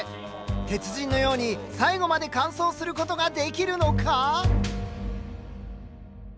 鉄人のように最後まで完走することができるのか！？